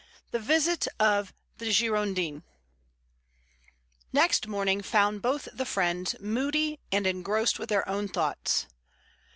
THE VISIT OF THE "GIRONDIN" Next morning found both the friends moody and engrossed with their own thoughts.